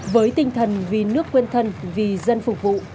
với tinh thần vì nước quên thân vì dân phục vụ